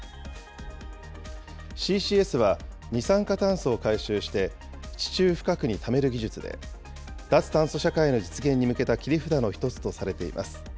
ＣＣＳは、二酸化炭素を回収して、地中深くにためる技術で、脱炭素社会の実現に向けた切り札の１つとされています。